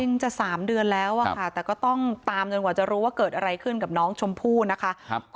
จะ๓เดือนแล้วอะค่ะแต่ก็ต้องตามจนกว่าจะรู้ว่าเกิดอะไรขึ้นกับน้องชมพู่นะคะ